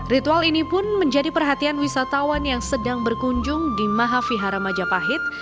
ritual ini pun menjadi perhatian wisatawan yang sedang berkunjung di mahavihara majapahit